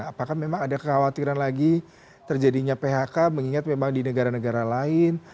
apakah memang ada kekhawatiran lagi terjadinya phk mengingat memang di negara negara lain